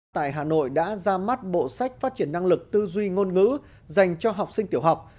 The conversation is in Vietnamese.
tại hà nội đã ra mắt bộ sách phát triển năng lực tư duy ngôn ngữ dành cho học sinh tiểu học